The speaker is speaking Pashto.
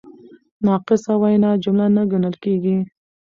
ناقصه وینا جمله نه ګڼل کیږي.